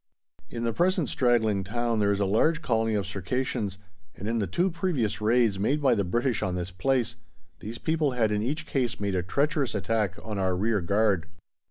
In the present straggling town there is a large colony of Circassians, and in the two previous raids made by the British on this place these people had in each case made a treacherous attack on our rearguard.